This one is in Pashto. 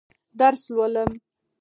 درس لولم.